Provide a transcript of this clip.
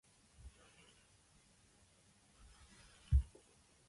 Lindfield means "lime tree field".